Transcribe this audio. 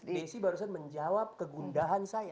desi barusan menjawab kegundahan saya